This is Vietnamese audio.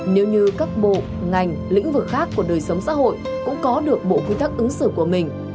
nếu như các bộ ngành lĩnh vực khác của đời sống xã hội cũng có được bộ quy tắc ứng xử của mình